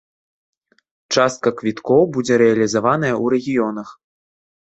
Частка квіткоў будзе рэалізаваная ў рэгіёнах.